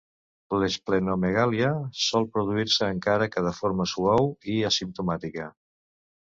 L'esplenomegàlia sol produir-se, encara que de forma suau i asimptomàtica.